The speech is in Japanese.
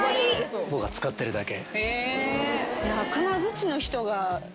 僕は漬かってるだけ。